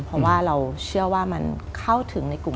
เพราะว่าเราเชื่อว่ามันเข้าถึงในกลุ่ม